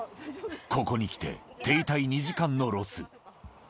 ここに来て、手痛い２時間のロス。